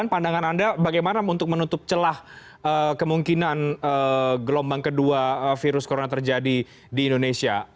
pandangan anda bagaimana untuk menutup celah kemungkinan gelombang kedua virus corona terjadi di indonesia